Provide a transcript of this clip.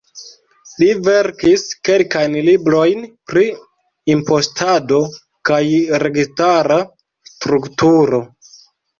Li verkis kelkajn librojn pri impostado kaj registara strukturo.